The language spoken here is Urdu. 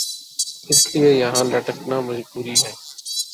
اس لئے یہان لٹکنا مجبوری ہے